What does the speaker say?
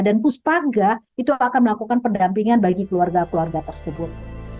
dan puspaga itu akan melakukan pendampingan bagi keluarga keluarga tersebut